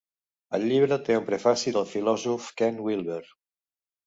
El llibre té un prefaci del filòsof Ken Wilber.